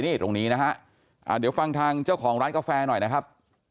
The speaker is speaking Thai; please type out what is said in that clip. นี่ตรงนี้นะฮะเดี๋ยวฟังทางเจ้าของร้านกาแฟหน่อยนะครับ